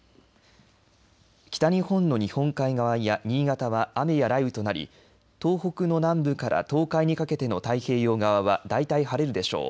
北日本の日本海側や新潟は雨や雷雨となり東北の南部から東海にかけての太平洋側はだいたい晴れるでしょう。